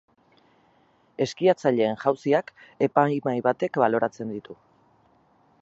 Eskiatzaileen jauziak epaimahai batek baloratzen ditu.